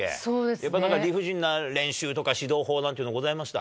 やっぱり理不尽な練習とか指導法なんてございました？